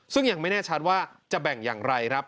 ซึ่งยังไม่แน่ชัดว่าจะแบ่งอย่างไรครับ